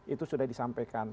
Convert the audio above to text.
itu sudah disampaikan